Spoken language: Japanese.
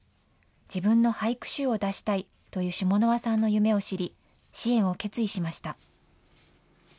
自分の俳句集を出したいというシモノワさんの夢を知り、支援を決意しました。